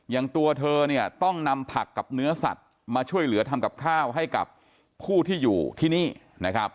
ตัวเธอเนี่ยต้องนำผักกับเนื้อสัตว์มาช่วยเหลือทำกับข้าวให้กับผู้ที่อยู่ที่นี่นะครับ